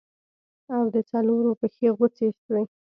او د څلورو پښې غوڅې سوې.